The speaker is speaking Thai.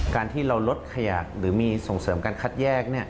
การที่เราลดขยะหรือมีส่งเสริมการคัดแยก